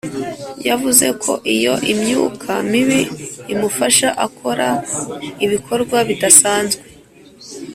Yavuze ko iyo imyuka mibi imufashe akora ibikorwa bidasanzwe